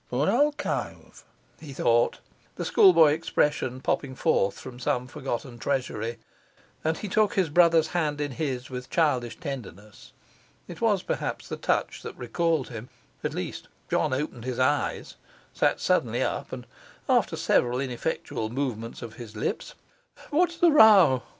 poor old cove!' he thought, the schoolboy expression popping forth from some forgotten treasury, and he took his brother's hand in his with childish tenderness. It was perhaps the touch that recalled him; at least John opened his eyes, sat suddenly up, and after several ineffectual movements of his lips, 'What's the row?